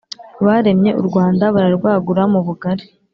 baremye u rwanda bararwagura mu bugari.